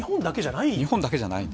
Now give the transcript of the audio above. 日本だけじゃない？